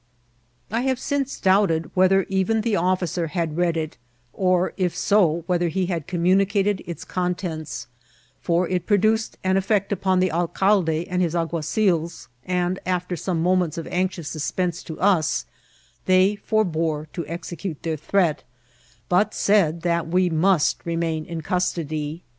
I have since doubted whether even the officer had read it, or, if so, whether he had communicated its con tents, for it produced an effect upon the alcalde and his alguazils ; and, after some moments of anxious suspense to us, they forbore to execute their threat, but said that we must remain in custody.